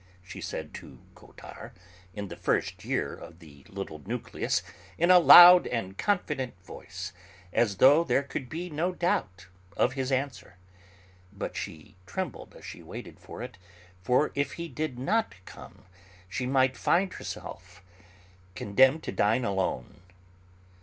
she said to Cottard in the first year of the little 'nucleus,' in a loud and confident voice, as though there could be no doubt of his answer. But she trembled as she waited for it, for if he did not come she might find herself condemned to dine alone.